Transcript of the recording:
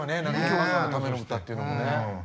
お母さんのための歌っていうのもね。